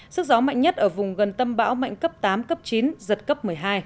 sức gió mạnh nhất ở vùng gần tâm bão mạnh cấp tám cấp chín giật cấp một mươi hai